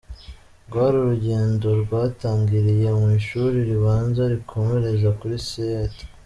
Rwari urugendo rwatangiriye mu ishuri ribanza rukomereza kuri St.